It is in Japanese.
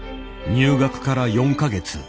入学から４か月。